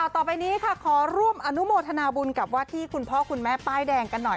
ต่อไปนี้ค่ะขอร่วมอนุโมทนาบุญกับว่าที่คุณพ่อคุณแม่ป้ายแดงกันหน่อย